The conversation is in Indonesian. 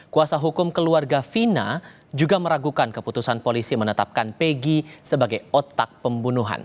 kuasa hukum keluarga fina juga meragukan keputusan polisi menetapkan peggy sebagai otak pembunuhan